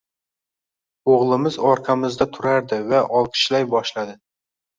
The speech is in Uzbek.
O‘g‘limiz orqamizda turardi va olqishlay boshladi